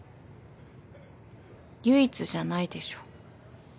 唯一じゃないでしょ。